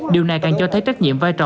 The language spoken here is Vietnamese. điều này càng cho thấy trách nhiệm vai trò